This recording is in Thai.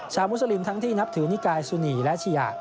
มุสลิมทั้งที่นับถือนิกายสุนีและเชีย